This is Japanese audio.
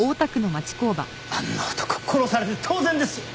あんな男殺されて当然ですよ。